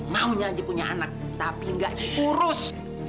maunya aja punya anak tapi gak diurus